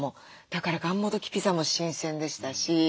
だからがんもどきピザも新鮮でしたし。